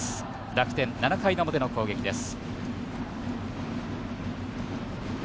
楽天、７回の表の攻撃です。